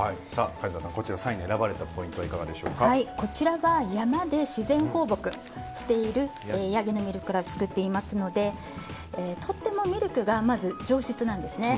梶田さん３位に選ばれたポイントはこちらは山で自然放牧しているヤギのミルクから作っていますのでとてもミルクが上質なんですね。